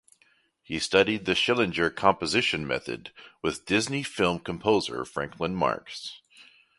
He studied the Schillinger composition method with Disney film composer Franklyn Marks.